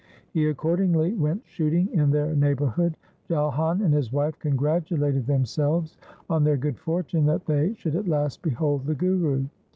He accordingly went shooting in their neighbourhood. Jalhan and his wife congratulated themselves on their good fortune that they should at last behold the Guru.